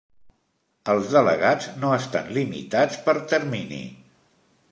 Els delegats no estan limitats per termini.